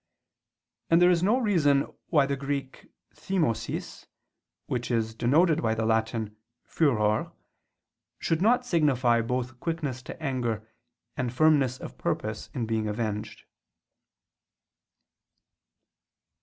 And there is no reason why the Greek thymosis, which is denoted by the Latin furor, should not signify both quickness to anger, and firmness of purpose in being avenged.